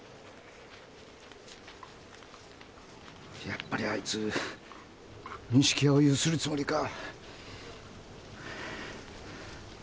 やっぱりあいつ錦屋をゆするつもりか。